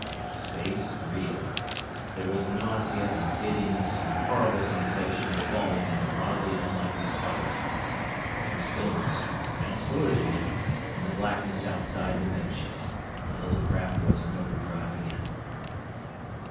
Space reeled. There was nausea and giddiness and a horrible sensation of falling in a wildly unlikely spiral. Then stillness, and solidity, and the blackness outside the Med Ship. The little craft was in overdrive again.